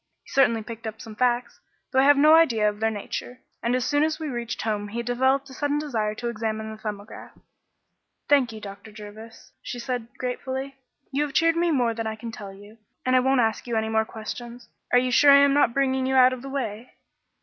He certainly picked up some facts, though I have no idea of their nature, and as soon as we reached home he developed a sudden desire to examine the 'Thumbograph.'" "Thank you, Dr. Jervis," she said gratefully. "You have cheered me more than I can tell you, and I won't ask you any more questions. Are you sure I am not bringing you out of the way?"